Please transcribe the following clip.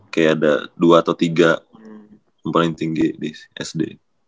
kayak ada dua atau tiga yang paling tinggi di sd